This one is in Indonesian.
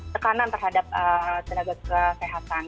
tekanan terhadap tenaga kesehatan